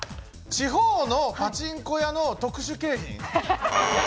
地方のパチンコ屋の特殊景品。